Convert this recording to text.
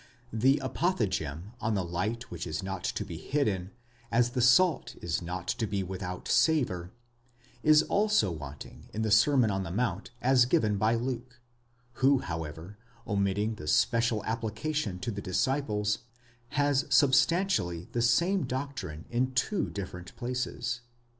The apothegm on the light which is not to be hidden, as the salt is not to be without savour, is also wanting in the Sermon on the Mount as given by Luke ; who, however, omitting the special application to the dis ciples, has substantially the same doctrine in two different places.